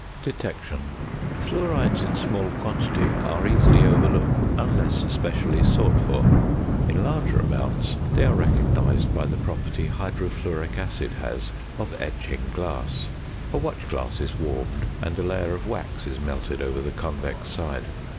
~Detection.~ Fluorides in small quantity are easily overlooked unless specially sought for. In larger amounts they are recognised by the property hydrofluoric acid has of etching glass. A watch glass is warmed, and a layer of wax is melted over the convex side.